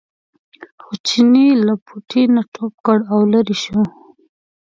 خو چیني له پوټي نه ټوپ کړ او لرې شو.